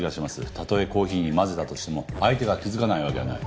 たとえコーヒーに混ぜたとしても相手が気付かないわけがない。